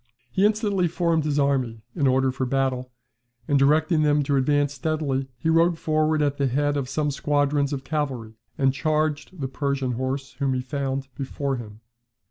He instantly formed his army in order for battle, and directing them to advance steadily, he rode forward at the head of some squadrons of cavalry, and charged the Persian horse whom he found before him.